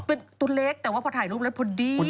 เป็นตัวเล็กแต่ว่าพอถ่ายรูปแล้วพอดี